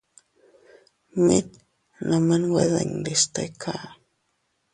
Mit nome nwe dindi stika.